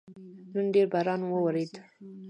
نن ډېر باران وورېده